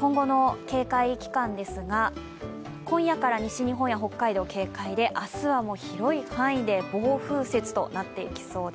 今後の警戒期間ですが今夜から西日本や北海道、警戒で明日はもう広い範囲で暴風雪となっていきそうです。